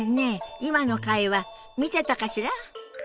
今の会話見てたかしら？